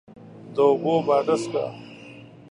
د اوبو باډسکه،